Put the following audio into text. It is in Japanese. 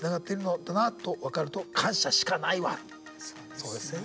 そうですよね。